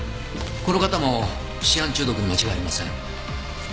この方もシアン中毒に間違いありません。